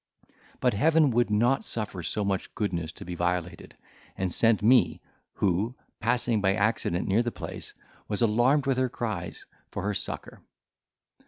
But Heaven would not suffer so much goodness to be violated, and sent me, who, passing by accident near the place, was alarmed with her cries, for her succour.